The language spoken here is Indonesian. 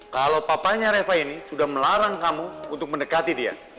kalau papanya reva ini sudah melarang kamu untuk mendekati dia